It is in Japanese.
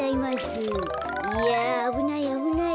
いやあぶないあぶない。